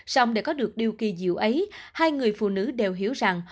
xong để có được điều kỳ diệu ấy hai người phụ nữ đều hiểu rằng